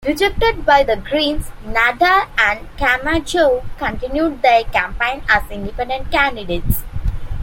Rejected by the Greens, Nader and Camejo continued their campaign as independent candidates.